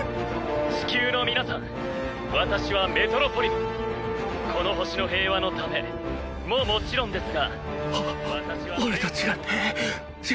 地球の皆さん私はメトロポリマンこの星の平和のためももちろんですがお俺と違ってじ